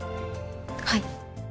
はい。